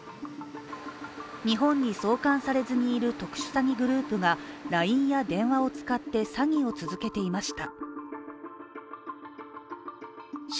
日本に送還されずにいる特殊詐欺グループがＬＩＮＥや電話を使って詐欺を続けていました。